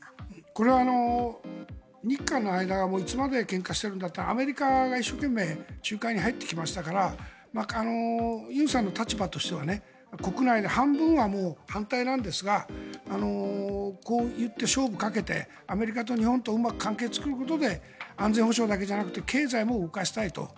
これは日韓の間がいつまでけんかしているんだってアメリカが一生懸命仲介に入ってきましたから尹さんの立場としては国内で半分は反対なんですがこう言って勝負をかけてアメリカと日本とうまく関係を作ることで安全保障だけじゃなくて経済も動かしたいと。